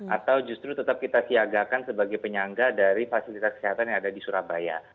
atau justru tetap kita siagakan sebagai penyangga dari fasilitas kesehatan yang ada di surabaya